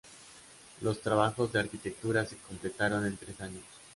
Los trabajos de arquitectura se completaron en tres años.